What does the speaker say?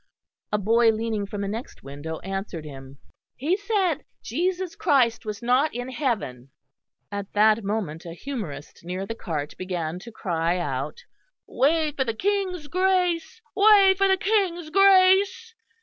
A boy leaning from the next window answered him. "He said Jesus Christ was not in heaven." At that moment a humorist near the cart began to cry out: "Way for the King's Grace! Way for the King's Grace!"